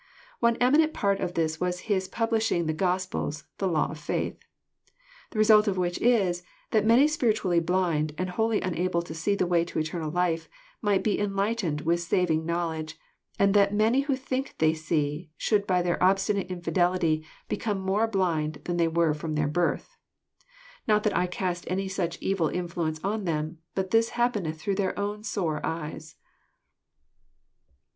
One eminent part of this was His publishing the Gospels, the law of faith. The result of which is, that many spiritually blind, and wholly unable to see the way to eternal life, might be enlightened with saving knowledge, and that, many who think they see, should by their obstinate infidelity become more blind than they were from their birth. Not that I cast any such evil influence on them, but this happeneth through their own sore eyes."